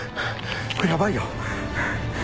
これヤバいよ。